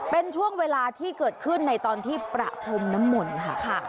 เป็นช่วงเวลาที่เกิดขึ้นในตอนที่ประพรมน้ำมนต์ค่ะ